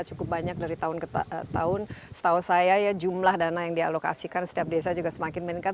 cukup banyak dari tahun ke tahun setahu saya ya jumlah dana yang dialokasikan setiap desa juga semakin meningkat